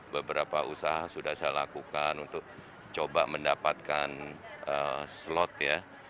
beberapa usaha sudah saya lakukan untuk coba mendapatkan slot ya